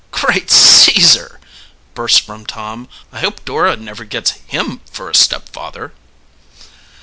"Great Caesar!" burst from Tom; "I hope Dora never gets him for a stepfather!"